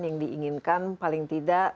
yang diinginkan paling tidak